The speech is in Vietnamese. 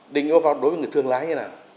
định yêu pháp đối với người thương lái như thế nào